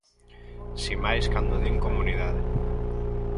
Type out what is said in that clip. Si máis cando din comunidade.